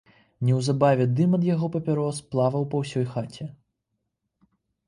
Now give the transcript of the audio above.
Неўзабаве дым ад яго папярос плаваў па ўсёй хаце.